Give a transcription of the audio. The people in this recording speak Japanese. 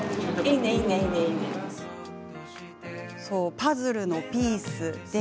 そう、パズルのピース。